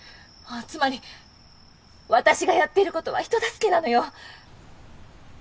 つまり私がやっている事は人助けなのよ。